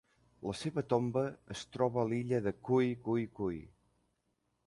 La seva tomba es troba a l'illa de KooeyKooeyKooey.